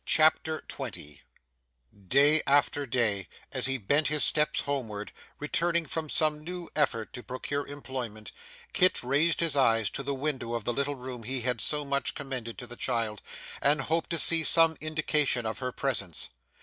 CHAPTER 20 Day after day as he bent his steps homeward, returning from some new effort to procure employment, Kit raised his eyes to the window of the little room he had so much commended to the child, and hoped to see some indication of her presence.